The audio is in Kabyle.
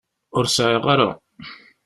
Ur sεiɣ ara.